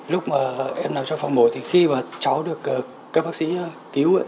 lúc mà em làm cho phòng mổ thì khi mà cháu được các bác sĩ cứu